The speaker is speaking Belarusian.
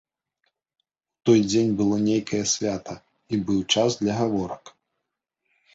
У той дзень было нейкае свята, і быў час для гаворак.